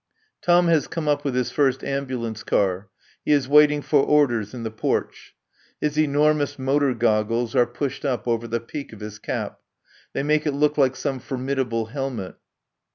Tom has come up with his first ambulance car. He is waiting for orders in the porch. His enormous motor goggles are pushed up over the peak of his cap. They make it look like some formidable helmet.